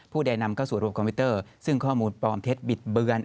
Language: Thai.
ใดนำเข้าสู่ระบบคอมพิวเตอร์ซึ่งข้อมูลปลอมเท็จบิดเบือน